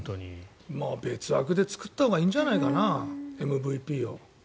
別枠で作ったほうがいいんじゃないかな、ＭＶＰを。